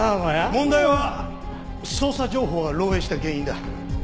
問題は捜査情報が漏洩した原因だ。